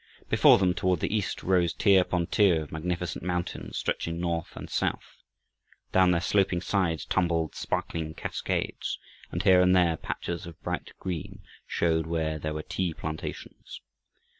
Before them, toward the east, rose tier upon tier of magnificent mountains, stretching north and south. Down their sloping sides tumbled sparkling cascades and here and there patches of bright green showed where there were tea plantations.